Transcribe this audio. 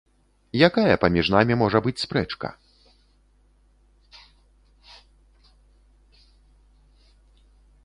Якая паміж намі можа быць спрэчка?